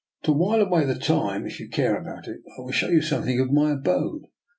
To while away the time, if you care about it, I will show you something of my abode.